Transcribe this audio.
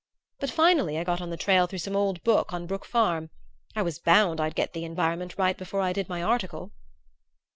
"But finally I got on the trail through some old book on Brook Farm. I was bound I'd get the environment right before I did my article."